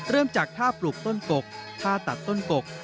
เริ่มจากท่าปลูกต้นกกท่าตัดต้นกก